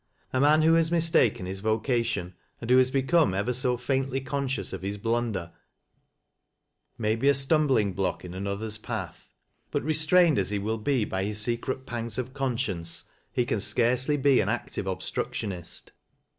A man who has mistaken his vocation, and w lio has become ever so faint ly conscious of his blunder, may be a stumbling block ir 18 TEAT LASS 0' LOWBWS. another's path ; but restrained as he will be by his secrol pangs of conscience, he can scarcely be an active obstruc tionist.